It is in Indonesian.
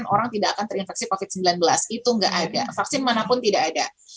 orang tidak akan terinfeksi covid sembilan belas itu nggak ada vaksin manapun tidak ada